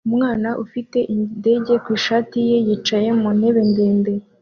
Umwana ufite indege ku ishati ye yicaye mu ntebe ndende